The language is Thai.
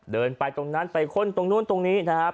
เดินไปตรงนั้นไปค้นตรงนู้นตรงนี้นะครับ